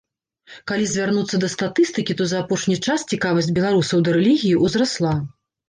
Калі звярнуцца да статыстыкі, то за апошні час цікавасць беларусаў да рэлігіі ўзрасла.